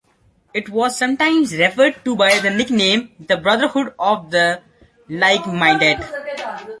It was sometimes referred to by the nickname "the brotherhood of the 'Like-Minded'".